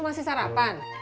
lo masih sarapan